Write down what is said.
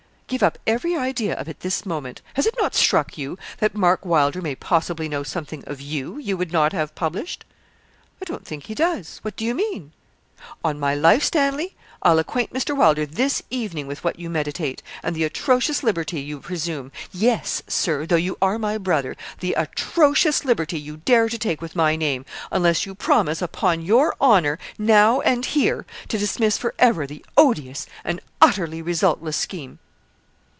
'Give up every idea of it this moment. Has it not struck you that Mark Wylder may possibly know something of you, you would not have published?' 'I don't think he does. What do you mean?' 'On my life, Stanley, I'll acquaint Mr. Wylder this evening with what you meditate, and the atrocious liberty you presume yes, Sir, though you are my brother, the atrocious liberty you dare to take with my name unless you promise, upon your honour, now and here, to dismiss for ever the odious and utterly resultless scheme.'